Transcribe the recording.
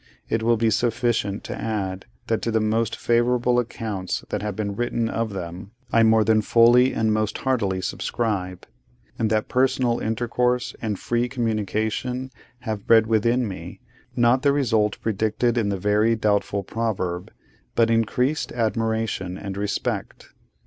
It will be sufficient to add, that to the most favourable accounts that have been written of them, I more than fully and most heartily subscribe; and that personal intercourse and free communication have bred within me, not the result predicted in the very doubtful proverb, but increased admiration and respect.